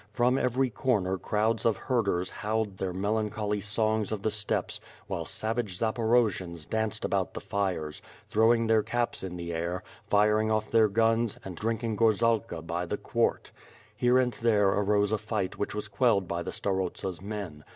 From every comer crowds of herders howled their melancholy songs of the steppes, while savage Zaporojians danced about the fires, throwing their caps in the air, firing off their guns and drink ing gorzalka by the quart. Here and there arose a fight which was quelled by the starosta's men.